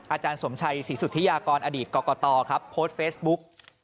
อาจารย์สมชัยศรีสุธิยากรอดีตกรกตครับโพสต์เฟซบุ๊ก